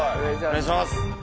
お願いします！